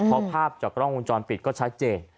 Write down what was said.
เพราะภาพจากกล้องวงจรปิดก็ชัดเจน